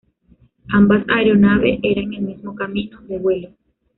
Ambas aeronave era en el mismo camino de vuelo.